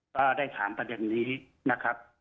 ก็ได้ถามประเด็นนี้นะครับ